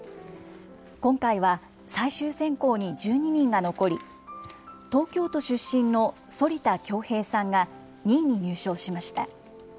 今回は、最終選考に１２人が残り、東京都出身の反田恭平さんが、２位に入賞しました。